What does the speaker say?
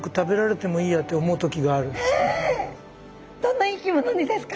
どんな生き物にですか？